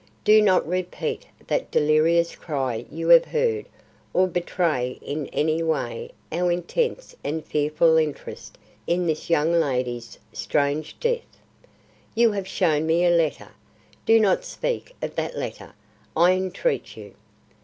Do not repeat that delirious cry you have heard or betray in any way our intense and fearful interest in this young lady's strange death. You have shown me a letter. Do not speak of that letter, I entreat you.